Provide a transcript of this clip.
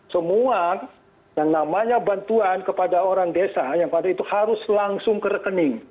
semua yang namanya bantuan kepada orang desa yang pada itu harus langsung ke rekening